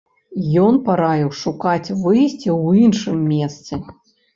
Ён параіў шукаць выйсце ў іншым месцы.